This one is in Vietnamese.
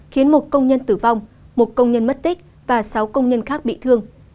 khiến một công nhân tử vong một công nhân mất tích và sáu công nhân khác bị thương